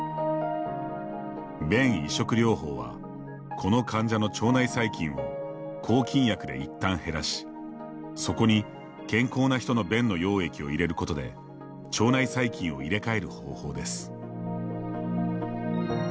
便移植療法は、この患者の腸内細菌を抗菌薬でいったん減らしそこに健康な人の便の溶液を入れることで腸内細菌を入れ替える方法です。